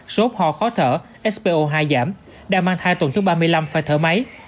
sốt hò khó thở spo hai giảm đa mang thai tuần thứ ba mươi năm phải thở máy